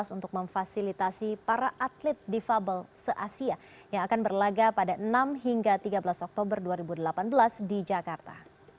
untuk memfasilitasi para atlet difabel se asia yang akan berlaga pada enam hingga tiga belas oktober dua ribu delapan belas di jakarta